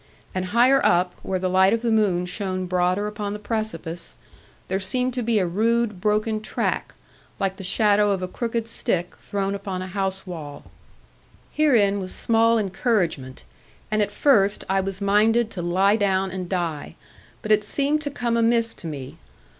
And higher up, where the light of the moon shone broader upon the precipice, there seemed to be a rude broken track, like the shadow of a crooked stick thrown upon a house wall. Herein was small encouragement; and at first I was minded to lie down and die; but it seemed to come amiss to me.